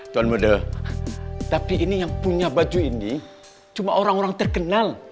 tuan model tapi ini yang punya baju ini cuma orang orang terkenal